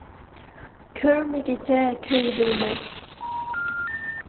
كۆرمىگۈچە كۆيدۈرمەس.